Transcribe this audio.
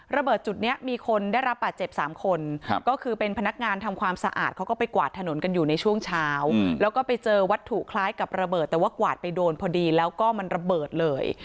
จุดนี้มีคนได้รับบาดเจ็บ๓คนก็คือเป็นพนักงานทำความสะอาดเขาก็ไปกวาดถนนกันอยู่ในช่วงเช้าแล้วก็ไปเจอวัตถุคล้ายกับระเบิดแต่ว่ากวาดไปโดนพอดีแล้วก็มันระเบิดเลย